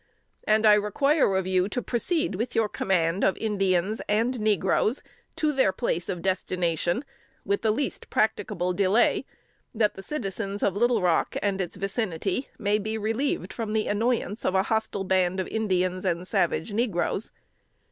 And I require of you to proceed with your command of Indians and negroes to their place of destination with the least practicable delay, that the citizens of Little Rock and its vicinity may be relieved from the annoyance of a hostile band of Indians and savage negroes.